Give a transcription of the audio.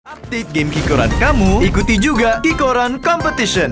update game kikoran kamu ikuti juga kikoran competition